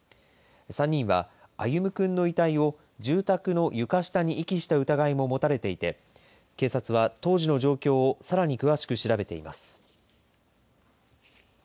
３人は、歩夢くんの遺体を住宅の床下に遺棄した疑いも持たれていて、警察は当時の状況をさらに詳しく調べています。